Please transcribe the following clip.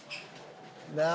なあ？